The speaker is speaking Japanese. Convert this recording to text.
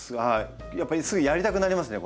やっぱりすぐやりたくなりますね